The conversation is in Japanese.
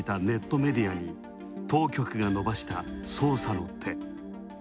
ネットメディアに、当局が伸ばした捜査の手。